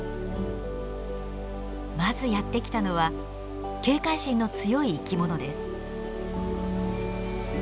まずやって来たのは警戒心の強い生き物です。